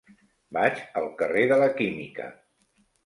Vaig al carrer de la Química.